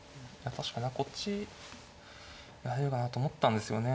確かにこっちやればと思ったんですよね。